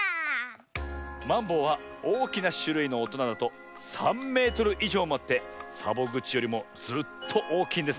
マンボウはおおきなしゅるいのおとなだと３メートルいじょうもあってサボぐちよりもずっとおおきいんですねえ。